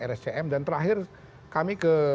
rscm dan terakhir kami ke